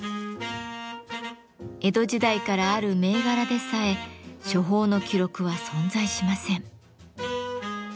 江戸時代からある銘柄でさえ処方の記録は存在しません。